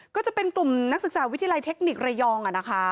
ก็จะเป็นกลุ่มนักศึกษาวิทยาลัยเทคนิคระยอง